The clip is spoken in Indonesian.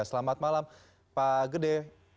selamat malam pak gede